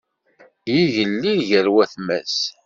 Yigellil gar watma-s.